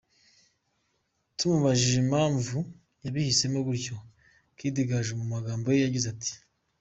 Tumubajije impamvu yabihisemo gutyo, Kid Gaju mu magambo ye yagize ati:.